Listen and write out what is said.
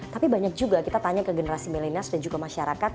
tapi banyak juga kita tanya ke generasi milenials dan juga masyarakat